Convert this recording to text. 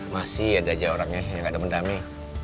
masih ada aja orangnya yang gak ada mendami